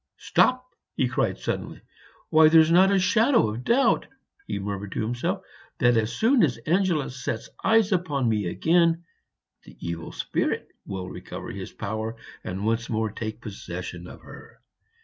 "Stop!" he cried suddenly. "Why, there's not a shadow of doubt," he murmured to himself, "that as soon as Angela sets eyes upon me again, the evil spirit will recover his power and once more take possession of her.